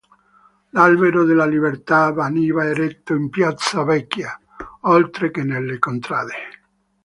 L'Albero della libertà veniva eretto in Piazza Vecchia, oltre che nelle contrade.